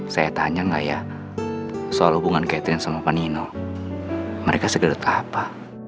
saya tanya nggak ya soal hubungan katherine sama panino mereka segelit apa